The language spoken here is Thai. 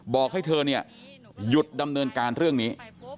บอกให้เธอเนี่ยหยุดดำเนินการเรื่องนี้